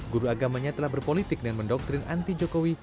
guru agamanya telah berpolitik dengan mendoktrin anti jokowi